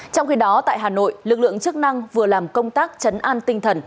trong khi đó tại hà nội lực lượng chức năng vừa làm công tác chấn an tinh thần